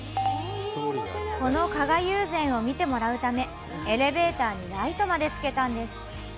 この加賀友禅を見てもらうためエレベーターにライトまでつけたんです。